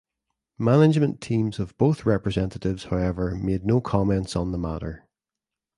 Management teams of both representatives however made no comments on the matter.